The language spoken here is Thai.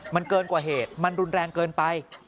มันเกินกว่าเหตุมันรุนแรงเกินไป